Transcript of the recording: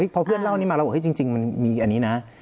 รู้ป่ะพอเพื่อนเล่านี้มาเราบอกว่าจริงมันมีอันนี้นะ